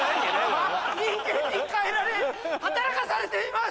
人間に変えられ働かされています。